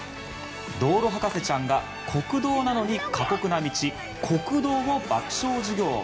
道路博士ちゃんが、国道なのに過酷な道、酷道を爆笑授業！